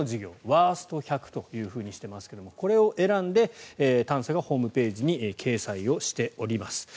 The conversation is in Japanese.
ワースト１００としていますがこれを選んでＴａｎｓａがホームページに掲載をしております。